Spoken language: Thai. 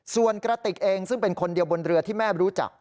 ส่วนกระติกเองซึ่งเป็นคนเดียวบนเรือที่แม่รู้จัก